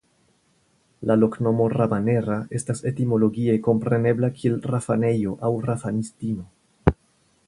La loknomo "Rabanera" estas etimologie komprenebla kiel "Rafanejo" aŭ "Rafanistino".